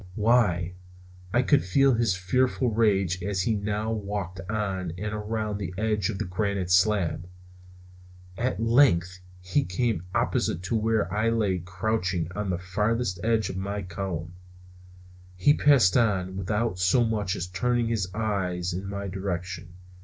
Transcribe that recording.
Why, I could feel his fearful rage as he now walked on and around the edge of that granite slab. At length he came opposite to where I lay crouching on the farther edge of my column. He passed on without so much as turning his eyes in my direction.